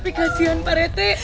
tapi kasihan pak rete